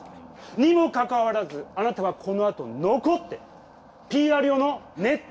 にもかかわらずあなたはこのあと残ってＰＲ用のネット